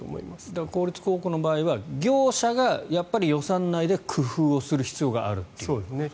だから公立高校の場合は業者がやっぱり予算内で工夫をする必要があるということですね。